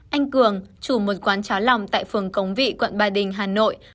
anh cường chủ một quán chá lòng tại phường cống vị quận ba đình hà nội